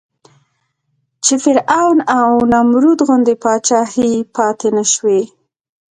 چې فرعون او نمرود غوندې پاچاهۍ پاتې نه شوې.